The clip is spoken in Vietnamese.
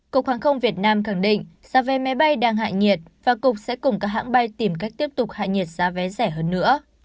cục hàng không việt nam khẳng định giá vé máy bay đang hạ nhiệt và cục sẽ cùng các hãng bay tìm cách tiếp tục hạ nhiệt giá vé rẻ hơn nữa